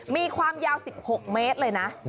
มีความยาว๑๖เมตรเลยนะ